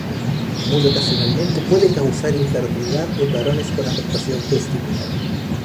Muy ocasionalmente puede causar infertilidad en varones con afectación testicular.